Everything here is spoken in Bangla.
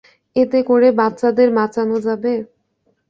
এতে করে বাচ্চাদের বাঁচানো যাবে?